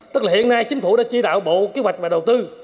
tức là hiện nay chính phủ đã chỉ đạo bộ kế hoạch và đầu tư